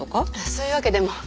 そういうわけでも。